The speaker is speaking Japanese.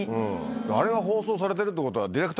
あれが放送されてるってことは。